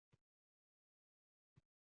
Shaxsan menda shunday boʻlgan.